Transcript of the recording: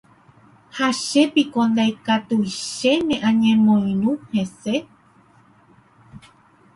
Ha chépiko ndaikatúi chéne añemoirũ hese.